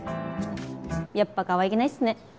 やっぱかわいげないっすね。